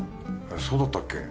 そうだったっけ？